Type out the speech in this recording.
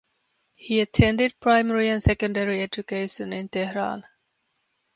He attended primary and secondary education in Tehran.